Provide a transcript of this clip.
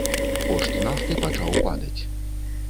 Кошт нафты пачаў падаць.